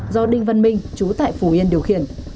do đinh văn minh chú tại phủ yên điều khiển